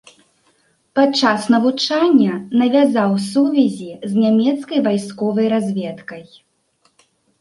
Падчас навучання навязаў сувязі з нямецкай вайсковай разведкай.